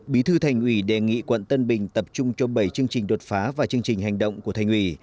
bí thư thành ủy đề nghị quận tân bình tập trung cho bảy chương trình đột phá và chương trình hành động của thành ủy